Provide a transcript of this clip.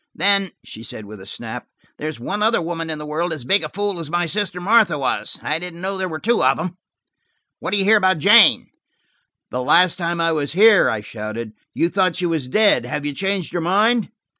"Then," she said with a snap, "there's one other woman in the world as big a fool as my sister Martha was. I didn't know there were two of 'em. What do you hear about Jane?" "The last time I was here," I shouted, "you thought she was dead; have you changed your mind?"